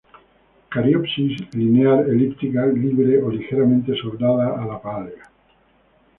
Cariopsis linear-elíptica, libre o ligeramente soldada a la pálea.